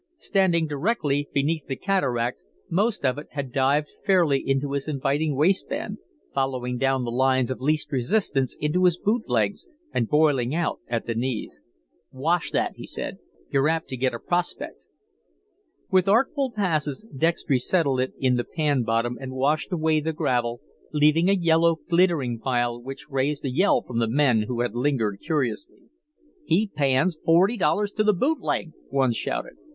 Standing directly beneath the cataract, most of it had dived fairly into his inviting waistband, following down the lines of least resistance into his boot legs and boiling out at the knees. "Wash that," he said. "You're apt to get a prospect." With artful passes Dextry settled it in the pan bottom and washed away the gravel, leaving a yellow, glittering pile which raised a yell from the men who had lingered curiously. "He pans forty dollars to the boot leg," one shouted.